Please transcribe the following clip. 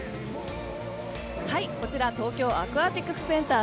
こちら東京アクアティクスセンター。